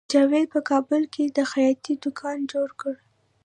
جاوید په کابل کې د خیاطۍ دکان جوړ کړ